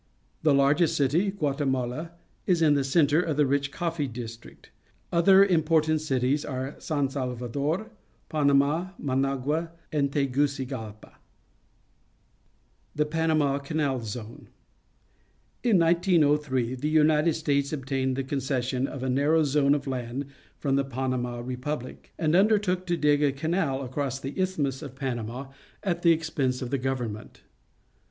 The largest citj', Guatemala, is in the centre of a rich coffee district. Other important cities are San Sal rador, Panama, Managua, and Tegucigalpa. THE WEST INDIES AND BERMUDA 143 The Panama Canal Zone.— In 1903 the United States obtained the concession of a narrow zone of land from the Panama Re pubUc, and undertook to dig a canal across the Isthtmis of Panama at the expense of the government.